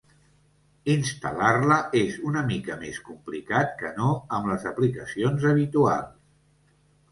Instal·lar-la és una mica més complicat que no amb les aplicacions habituals.